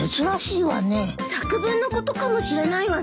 作文のことかもしれないわね。